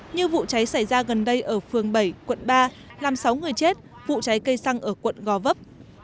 như vụ cháy xảy ra gần đây ở phường bảy quận ba làm sáu người chết vụ cháy cây xăng ở quận gò vấp